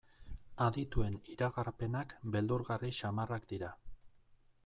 Adituen iragarpenak beldurgarri samarrak dira.